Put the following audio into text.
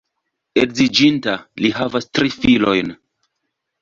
Edziĝinta, li havas tri filojn.